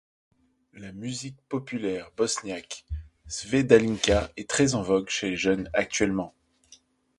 La musique populaire bosniaque sevdalinka est très en vogue chez les jeunes actuellement.